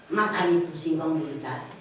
makan itu singkong dulu tak